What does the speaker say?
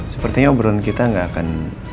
sepertinya obron kita nggak akan